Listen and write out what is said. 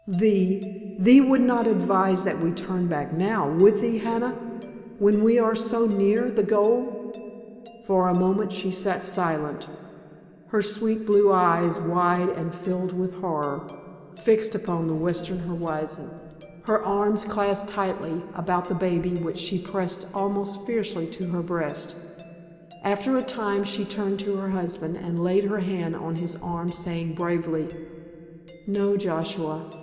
Thee—thee would not advise that we turn back now, would thee, Hannah? When we are so near the goal?" For a moment she sat silent, her sweet blue eyes, wide and filled with horror, fixed upon the western horizon, her arms clasped tightly about the baby, which she pressed almost fiercely to her breast. After a time she turned to her husband and laid her hand on his arm, saying bravely: "No, Joshua.